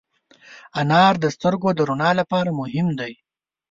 انار د سترګو د رڼا لپاره مهم دی.